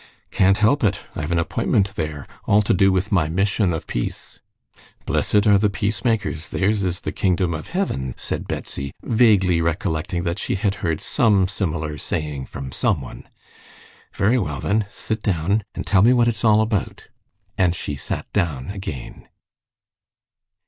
"Can't help it. I've an appointment there, all to do with my mission of peace." "'Blessed are the peacemakers; theirs is the kingdom of heaven,'" said Betsy, vaguely recollecting she had heard some similar saying from someone. "Very well, then, sit down, and tell me what it's all about." And she sat down again.